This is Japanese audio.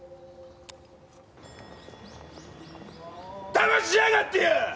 だましやがってよ！